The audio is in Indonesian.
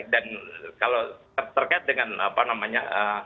dan kalau terkait dengan apa namanya